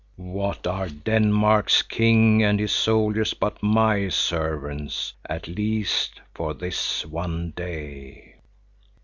What are Denmark's king and his soldiers but my servants, at least for this one day?